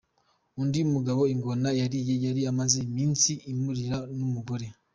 Undi mugabo ingona yariye, yari imaze iminsi imuririye n’umugore.